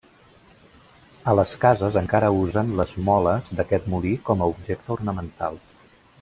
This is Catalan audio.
A les cases encara usen les moles d'aquest molí com a objecte ornamental.